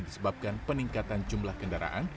disebabkan peningkatan jumlah kendaraan